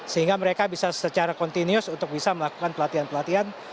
sehingga mereka bisa secara kontinus untuk bisa melakukan pelatihan pelatihan